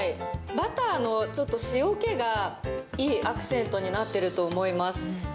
バターの塩気がいいアクセントになっていると思います。